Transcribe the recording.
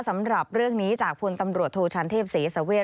สำหรับเรื่องนี้จากพลตำรวจโทชันเทพศรีสเวท